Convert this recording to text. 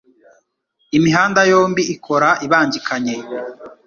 Imihanda yombi ikora ibangikanye.